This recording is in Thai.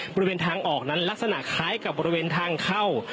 บริเวณทางออกนั้นลักษณะคล้ายกับบริเวณทางเข้า